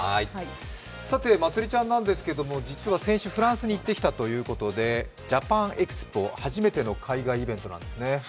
まつりちゃんなんですけども実は先週、フランスに行ってきたということでＪａｐａｎＥｘｐｏ、初めての海外イベントなんですね。